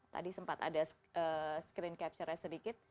tadi sempat ada screen capture nya sedikit